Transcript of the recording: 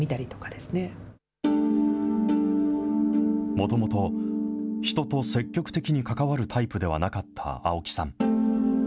もともと、人と積極的に関わるタイプではなかった青木さん。